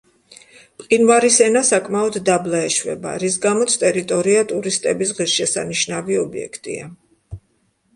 მყინვარის ენა საკმაოდ დაბლა ეშვება, რის გამოც ტერიტორია ტურისტების ღირსშესანიშნავი ობიექტია.